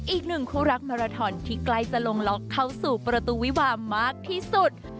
อีกหนึ่งคู่รักมาราทอนที่ใกล้จะลงล็อกเข้าสู่ประตูวิวามากที่สุด